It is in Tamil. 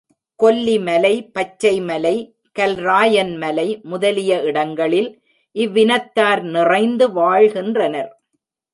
கொல்லி மலை, பச்சை மலை, கல்ராயன் மலை முதலிய இடங்களில் இவ்வினத்தார் நிறைந்து வாழ்கின்றனர்.